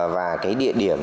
và cái địa điểm